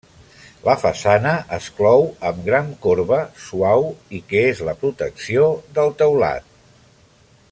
La façana es clou amb gran corba, suau, i que és la protecció del teulat.